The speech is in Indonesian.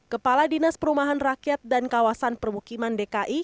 kepala dinas perumahan rakyat dan kawasan permukiman dki